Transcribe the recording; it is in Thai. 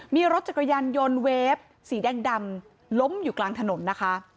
มีรถจักรยานยนต์เวฟสีแดงดำล้มอยู่กลางถนนนะคะ